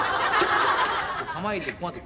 構えて。